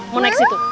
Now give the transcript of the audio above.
mau naik situ